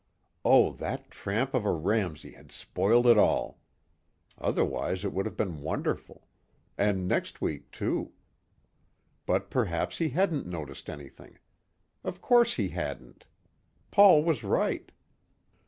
Oh, that tramp of a Ramsey had spoiled it all. Otherwise it would have been wonderful. And next week, too. But perhaps he hadn't noticed anything. Of course he hadn't. Paul was right.